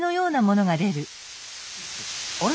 あれ？